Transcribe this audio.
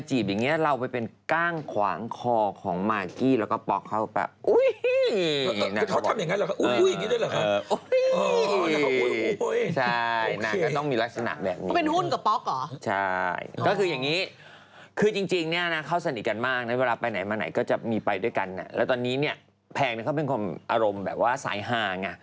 จริงบอกต่างตรงนี่นี่ก็ไม่มีใครมาจีบอย่างนี้ทำเป็นพูดดีแม่แพง